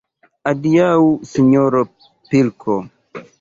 Adiaŭ, sinjoro pilko!